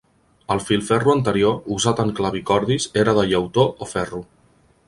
El filferro anterior, usat en clavicordis, era de llautó o ferro.